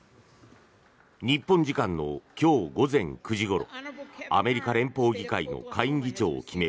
日本時間の今日午前９時ごろアメリカ連邦議会の下院議長を決める